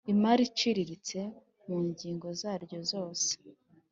Imari Iciriritse mu ngingo zaryo zose